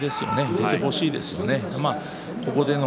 出てほしいですね。